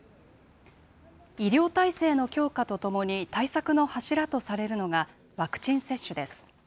医療体制の強化とともに、対策の柱とされるのが、ワクチン接種です。